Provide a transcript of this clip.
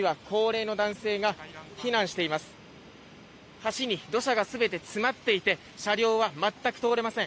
橋に土砂がすべて詰まっていて車両は全く通れません。